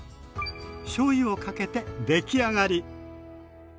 しょうゆをかけてできあがり。